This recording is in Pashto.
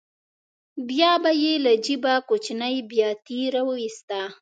بیا به یې له جېبه کوچنۍ بیاتي راوویسته.